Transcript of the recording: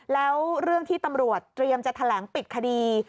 แล้วเรื่องที่ตำรวจเตรียมจะแถลงปิดคดี